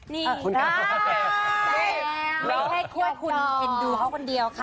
นี่ได้ให้ควดคุณเอ็นดูเขาคนเดียวค่ะ